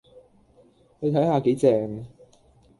你睇下幾正